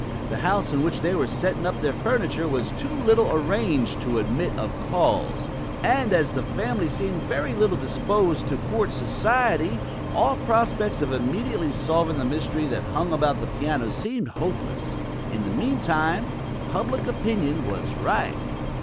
The house in which they were setting up their furniture was too little arranged "to admit of calls;" and, as the family seemed very little disposed to court society, all prospects of immediately solving the mystery that hung about the piano seemed hopeless. In the meantime, public opinion was "rife."